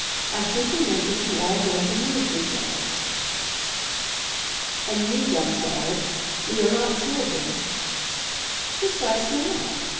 I simply meant that you all don't amuse yourselves." "Amuse ourselves? We are not children." "Precisely not!